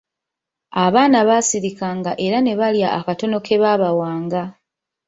Abaana baasirikanga era ne balya akatono ke baabawanga.